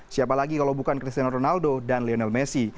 siapa lagi kalau bukan cristiano ronaldo dan lionel messi